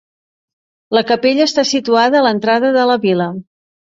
La capella està situada a l'entrada de la vila.